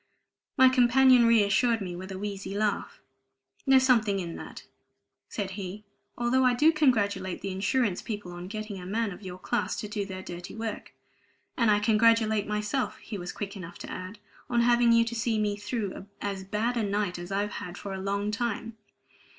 My companion reassured me with a wheezy laugh. "There's something in that," said he, "although I do congratulate the insurance people on getting a man of your class to do their dirty work. And I congratulate myself," he was quick enough to add, "on having you to see me through as bad a night as I've had for a long time.